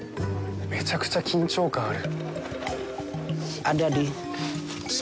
めちゃくちゃ緊張感ある。